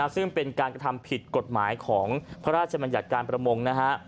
ซึ่งเป็นการกระทำผิดกฎหมายของพระราชบัญญัติการประมงนะฮะ